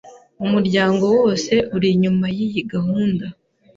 Umuryango wose uri inyuma yiyi gahunda.